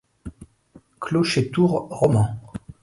Clocher-tour roman.